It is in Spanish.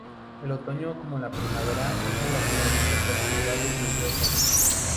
El otoño como la primavera es relativamente perturbado y lluvioso.